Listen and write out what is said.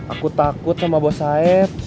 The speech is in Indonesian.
aku takut sama bos saya